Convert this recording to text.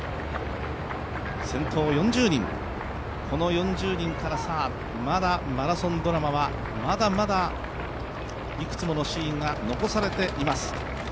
先頭４０人、この４０人からまだマラソンドラマはまだまだいくつものシーンが残されています。